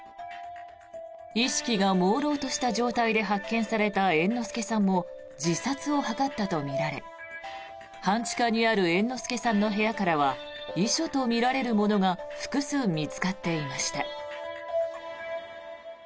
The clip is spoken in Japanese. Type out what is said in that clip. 意識がもうろうとした状態で発見された猿之助さんも自殺を図ったとみられ半地下にある猿之助さんの部屋からは遺書とみられるものが複数、見つかっていました。